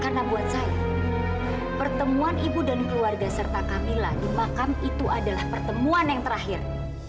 karena buat saya pertemuan ibu dan keluarga serta kamila di makam itu adalah pertemuan yang terakhir